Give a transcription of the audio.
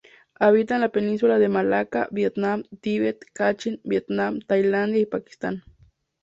Habita en la Península de Malaca, Vietnam, Tibet, Kachin, Vietnam, Tailandia y Pakistán.